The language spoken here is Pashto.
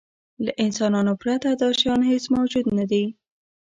له انسانانو پرته دا شیان هېڅ موجود نهدي.